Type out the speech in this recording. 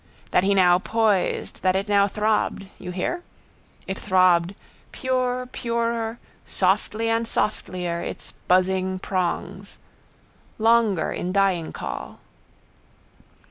That he now poised that it now throbbed. You hear? It throbbed, pure, purer, softly and softlier, its buzzing prongs. Longer in dying call.